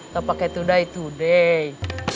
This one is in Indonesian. kau pakai tudai tudai